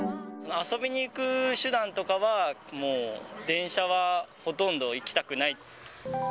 遊びに行く手段とかは、もう電車はほとんど行きたくない。